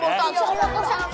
iya lah aku selalu pilih